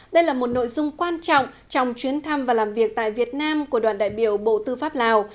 đây là một nội dung quan trọng trong chuyến thăm và làm việc tại việt nam của đoàn đại biểu bộ tư pháp lào